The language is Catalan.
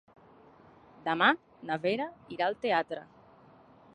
Demà na Vera irà al teatre.